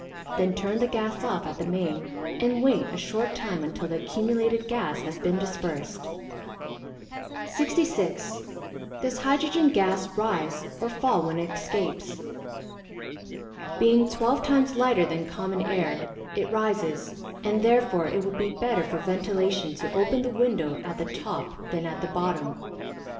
Then turn the gas off at the main, and wait a short time until the accumulated gas has been dispersed. 66. Does hydrogen gas rise or fall when it escapes? Being twelve times lighter than common air it rises, and therefore it would be better for ventilation to open the window at the top than at the bottom.